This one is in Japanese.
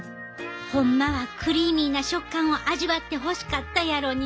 ホンマはクリーミーな食感を味わってほしかったやろに。